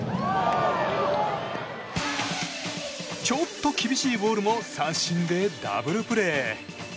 ちょっと厳しいボールも三振でダブルプレー。